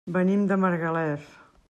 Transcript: Venim de Margalef.